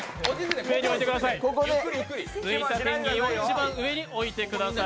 ここで抜いたペンギンを一番上に置いてください。